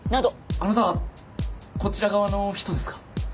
あなたこちら側の人ですか？